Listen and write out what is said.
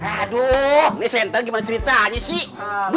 aduh ini center gimana ceritanya sih